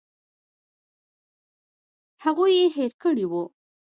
هغوی یې هېر کړي وو.